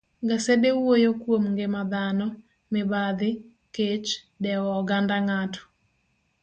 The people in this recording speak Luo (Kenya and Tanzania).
gasede wuoyo kuom ngima dhano, mibadhi, kech, dewo oganda ng'ato,